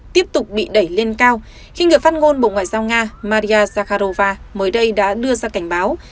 tiếp tục bị đẩy lên cao khi người phát ngôn bộ ngoại giao nga maria zakharova mới đây đã đưa ra cảnh báo